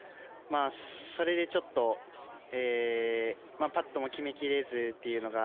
それで、ちょっとパットも決めきれずというのが。